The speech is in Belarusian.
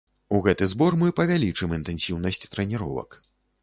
У гэты збор мы павялічым інтэнсіўнасць трэніровак.